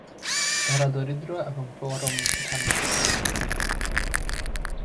তারা দরিদ্র এবং পরম ধার্মিক ছিলেন।